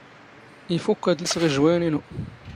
ⵉⴼⵓⴽⴽ ⴰⴷ ⵍⵙⵖ ⵉⵊⵡⴰⵢⵏ ⵉⵏⵓ.